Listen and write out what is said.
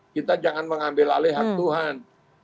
kita jangan mengambil alih hak tuhan